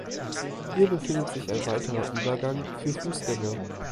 Hier befindet sich ein weiterer Übergang für Fußgänger.